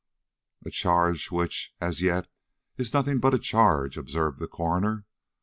"A charge which, as yet, is nothing but a charge," observed the coroner.